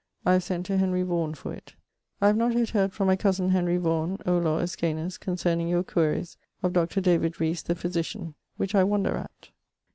I have sent to Henry Vaughan for it. I have not yet heard from my cosen Henry Vaughan ('Olor Iscanus') concerning your queres of Dr. David Rhese the physitian, which I wonder at.